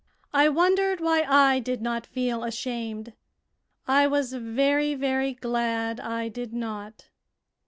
I wondered why I did not feel ashamed. I was very, very glad I did not.